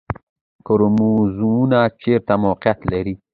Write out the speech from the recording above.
کروموزومونه چیرته موقعیت لري؟